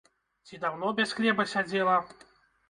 Ці даўно без хлеба сядзела?